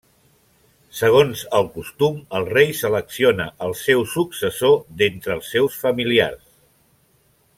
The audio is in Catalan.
Segons el costum, el rei selecciona el seu successor d'entre els seus familiars.